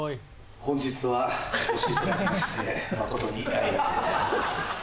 本日はお越しいただきまして誠にありがとうございます。